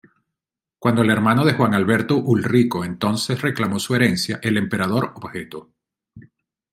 Cuando el hermano de Juan Alberto Ulrico entonces reclamó su herencia, el emperador objetó.